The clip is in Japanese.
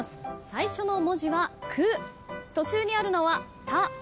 最初の文字は「く」途中にあるのは「た」「と」